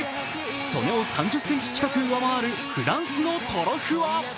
素根を３０ｃｍ近く上回るフランスのトロフア。